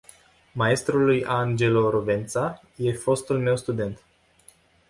Maestrului Angelo Rovența, e fostul meu student.